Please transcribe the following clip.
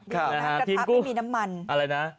กระทะไม่มีน้ำมัน